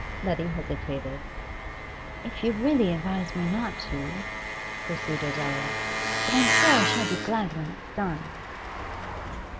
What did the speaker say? Letty hesitated. 'If you really advise me not to ' pursued Adela. 'But I'm sure I shall be glad when it's done.